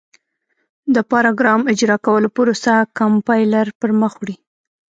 د پراګرام اجرا کولو پروسه کمپایلر پر مخ وړي.